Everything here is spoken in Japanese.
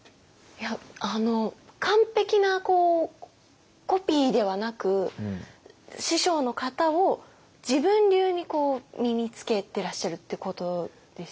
いやっあの完璧なコピーではなく師匠の型を自分流にこう身につけてらっしゃるってことですよね。